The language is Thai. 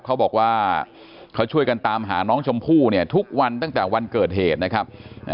เขาบอกว่าเขาช่วยกันตามหาน้องชมพู่เนี่ยทุกวันตั้งแต่วันเกิดเหตุนะครับ